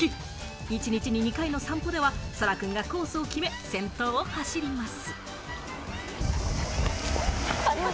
１日に２回の散歩では、空くんがコースを決め、先頭を走ります。